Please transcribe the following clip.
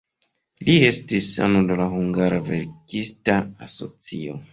Li estis ano de la hungara verkista asocio.